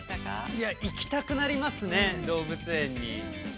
◆いや、行きたくなりますね、動物園に。